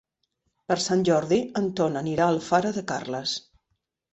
Per Sant Jordi en Ton anirà a Alfara de Carles.